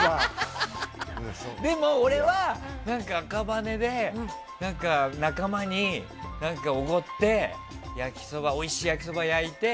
でも、俺は赤羽で仲間に何かおごっておいしい焼きそばを焼いて。